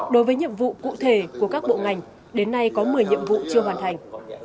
đối với nhiệm vụ cụ thể của các bộ ngành đến nay có một mươi nhiệm vụ chưa hoàn thành